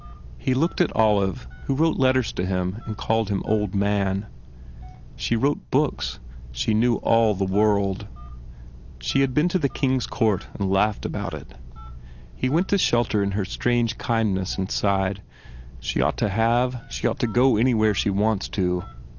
He looked at Olive who wrote letters to him and called him old man. She wrote books. She knew all the world. She had been 95 THE FAIR REWARDS to the king s court and laughed about it. He went to shelter in her strange kindness and sighed, "It isn t fair. She ought to have she ought to go anywhere she wants to."